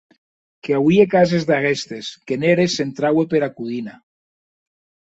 Qu’auie cases d’aguestes qu’en eres s’entraue pera codina.